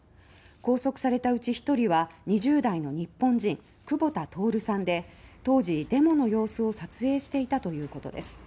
拘束されたうち１人は２０代の日本人クボタ・トオルさんで当時、デモの様子を撮影していたということです。